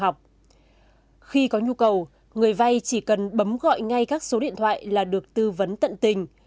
vì vậy người vay chỉ cần bấm gọi ngay các số điện thoại là được tư vấn tận tình